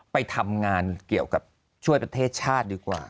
ไปทำงานเกี่ยวกับช่วยประเทศชาติดีกว่า